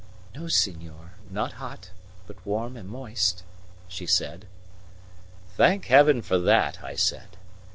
"No, senor, not hot, but warm and moist," she said. "Thank Heaven for that!" I said.